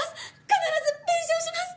必ず弁償します！